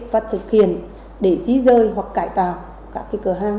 và thực hiện để dí rơi hoặc cải tạo các cái cửa hàng